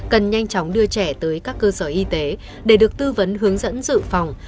cần nhanh chóng đưa trẻ tới các cơ sở y tế để được tư vấn hướng dẫn dự phòng